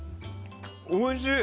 おいしい！